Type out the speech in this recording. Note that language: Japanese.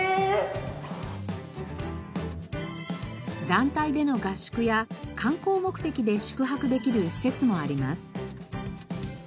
団体での合宿や観光目的で宿泊できる施設もあります。